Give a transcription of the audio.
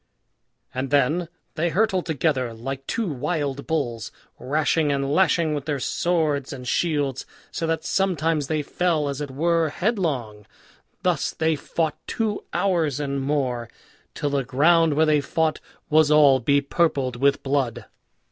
And then they hurtled together like two wild bulls, rashing and lashing with their swords and shields, so that sometimes they fell, as it were, headlong. Thus they fought two hours and more, till the ground where they fought was all bepurpled with blood.